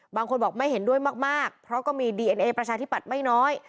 บางคนบอกไม่เห็นด้วยมากเพราะก็มีดีเอ็นเอประชาธิปัตย์ไม่น้อย